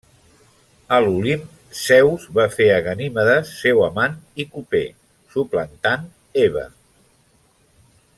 A l'Olimp, Zeus va fer a Ganimedes seu amant i coper, suplantant Hebe.